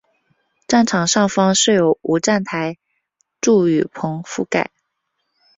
站场上方设有无站台柱雨棚覆盖。